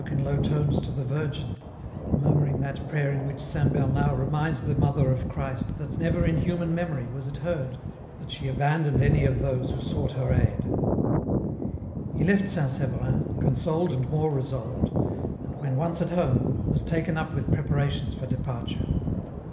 in low tones to the Virgin, murmuring that prayer in which Saint Bernard reminds the Mother of Christ that never in human memory was it heard that she abandoned any of those who sought her aid. He left St. Severin, consoled and more resolved, and, virhen once at home, was taken up with preparations for departure.